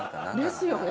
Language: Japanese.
ですよね。